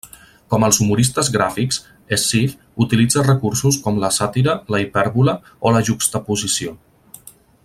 Com els humoristes gràfics, Escif utilitza recursos com la sàtira, la hipèrbole o la juxtaposició.